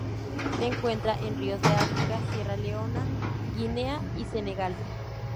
Se encuentran en ríos de África: Sierra Leona, Guinea y Senegal.